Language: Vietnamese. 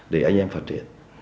để anh em phát triển